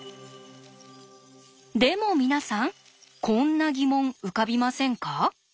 でも皆さんこんな疑問浮かびませんか？